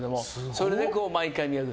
それで毎回磨く。